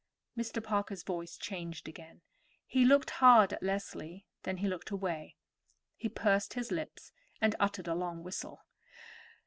Mr. Parker's voice changed again. He looked hard at Leslie, then he looked away. He pursed up his lips and uttered a long whistle.